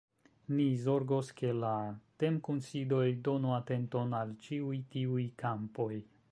Ni zorgos, ke la temkunsidoj donu atenton al ĉiuj tiuj kampoj.